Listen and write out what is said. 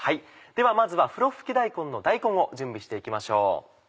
ではまずはふろふき大根の大根を準備して行きましょう。